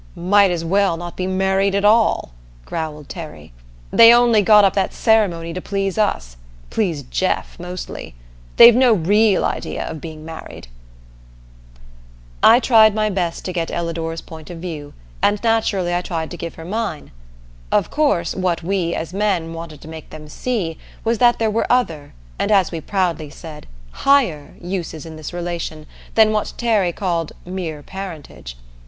"Might as well not be married at all," growled Terry. "They only got up that ceremony to please us please Jeff, mostly. They've no real idea of being married." I tried my best to get Ellador's point of view, and naturally I tried to give her mine. Of course, what we, as men, wanted to make them see was that there were other, and as we proudly said "higher," uses in this relation than what Terry called "mere parentage."